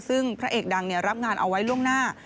ซึ่งพระเอกดังรับงานเอาไว้ล่วงหน้า